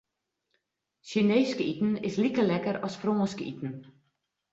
Sjineesk iten is like lekker as Frânsk iten.